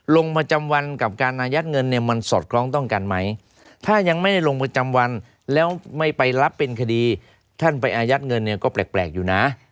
ลงประจำวันกับการอายัดเงินเนี่ยมันสอดคล้องต้องกันไหมถ้ายังไม่ได้ลงประจำวันแล้วไม่ไปรับเป็นคดีท่านไปอายัดเงินเนี่ยก็แปลกอยู่นะ